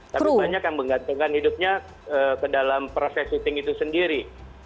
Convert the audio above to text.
tapi banyak yang menggantungkan hidupnya ke dalam proses syuting itu sendiri